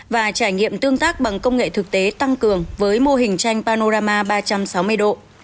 và trải nghiệm tương tác bằng công nghệ thực tế tăng cường với mô hình tranh panorama ba trăm sáu mươi độ